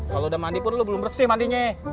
kalau udah mandi pun lu belum bersih mandinya